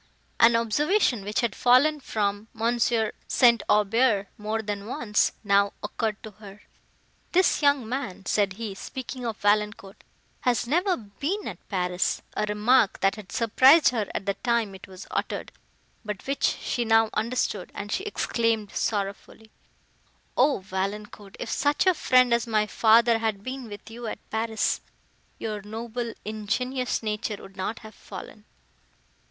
An observation, which had fallen from M. St. Aubert more than once, now occurred to her. "This young man," said he, speaking of Valancourt, "has never been at Paris;" a remark, that had surprised her at the time it was uttered, but which she now understood, and she exclaimed sorrowfully, "O Valancourt! if such a friend as my father had been with you at Paris—your noble, ingenuous nature would not have fallen!"